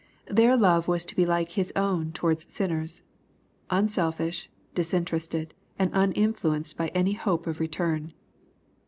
Their love was to be like His own towards sin ners — unselfish, disinterested, and uninfluenced by any hope of return.